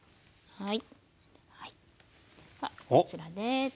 はい。